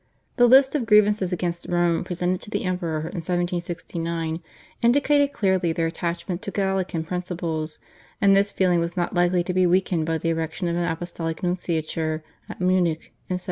The list of grievances against Rome presented to the Emperor in 1769 indicated clearly their attachment to Gallican principles, and this feeling was not likely to be weakened by the erection of an apostolic nunciature at Munich in 1785.